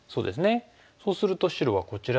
そうすると白はこちらに打って。